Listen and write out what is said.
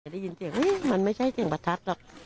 ได้ยินเสียงมันไม่ใช่เสียงประทัดหรอก